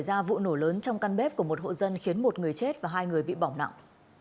ra vụ nổ lớn trong căn bếp của một hộ dân khiến một người chết và hai người bị bỏng nặng